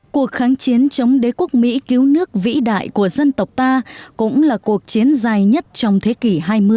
cuộc kháng chiến chống đế quốc mỹ cứu nước vĩ đại của dân tộc ta cũng là cuộc chiến dài nhất trong thế kỷ hai mươi